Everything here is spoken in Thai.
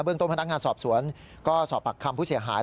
ต้นพนักงานสอบสวนก็สอบปากคำผู้เสียหาย